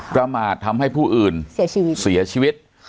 ประมาททำให้ผู้อื่นเสียชีวิต